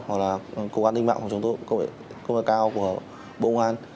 hoặc là cộng quan ninh mạng phòng chống thức phạm công nghệ cao của bộ công an